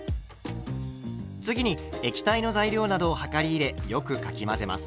次に液体の材料などを量り入れよくかき混ぜます。